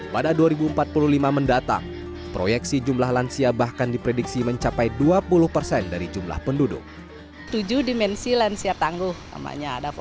pada dua ribu empat puluh lima mendatang proyeksi jumlah lansia bahkan diprediksi mencapai dua puluh persen dari jumlah penduduk